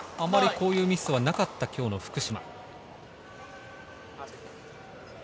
あまりこういうミスはなかった今日の福島。